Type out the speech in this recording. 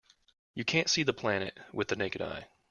You can't see the planet with the naked eye.